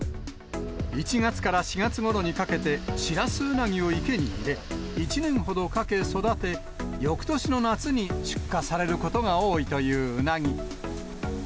１月から４月ごろにかけて、シラスウナギを池に入れ、１年ほどかけ育て、よくとしの夏に出荷されることが多いといううなぎ。